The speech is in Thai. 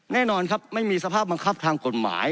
แน่นอนครับไม่มีสภาพบังคับทางกฎหมาย